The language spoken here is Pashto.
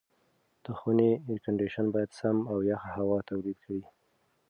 د خونې اېرکنډیشن باید سمه او یخه هوا تولید کړي.